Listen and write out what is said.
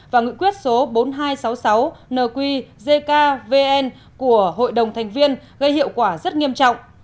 và nghị quyết số bốn nghìn hai trăm sáu mươi sáu nqkvn của hội đồng thành viên gây hiệu quả rất nghiêm trọng